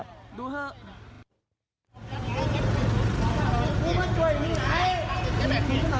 ดูเถอะ